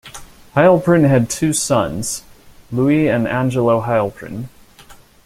Heilprin had two sons, Louis and Angelo Heilprin.